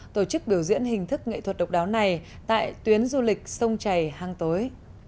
tổ chức biểu diễn hình thức nghệ thuật độc đáo này tại tuyến du lịch sông chảy hang tối